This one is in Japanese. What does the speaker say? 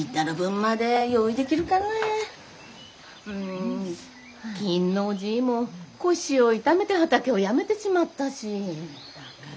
ん金武のおじぃも腰を痛めて畑をやめてしまったし。